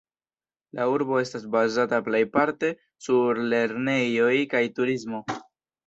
La urbo estas bazata plejparte sur lernejoj kaj turismo.